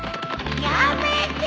やめてー！